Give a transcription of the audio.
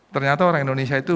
ternyata orang indonesia itu